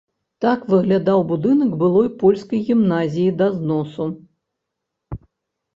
Так выглядаў будынак былой польскай гімназіі да зносу.